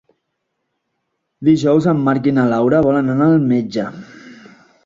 Dijous en Marc i na Laura volen anar al metge.